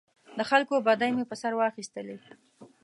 د خلکو بدۍ مې پر سر واخیستلې.